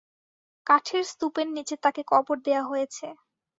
কাঠের স্তূপের নিচে তাকে কবর দেয়া হয়েছে।